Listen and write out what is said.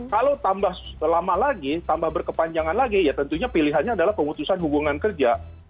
kalau tambah lama lagi tambah berkepanjangan lagi ya tentunya pilihannya adalah pemutusan hubungan kerja